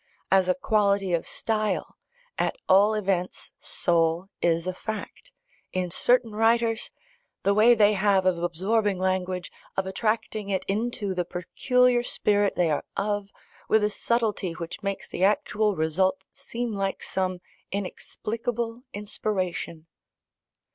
As a quality of style, at all events, soul is a fact, in certain writers the way they have of absorbing language, of attracting it into the peculiar spirit they are of, with a subtlety which makes the actual result seem like some inexplicable inspiration.